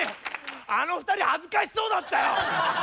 あの２人恥ずかしそうだったよ！